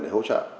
để hỗ trợ